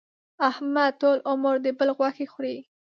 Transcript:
احمد ټول عمر د بل غوښې خوري.